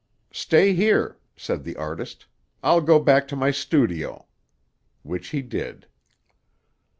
"Stay here," said the artist. "I'll go back to my studio." Which he did.